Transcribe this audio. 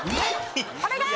お願い！